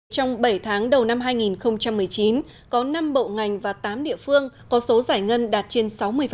trong bảy tháng đầu năm hai nghìn một mươi chín có năm bộ ngành và tám địa phương có số giải ngân đạt trên sáu mươi